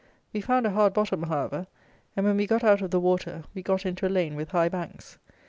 We found a hard bottom, however; and when we got out of the water, we got into a lane with high banks.